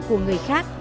của người khác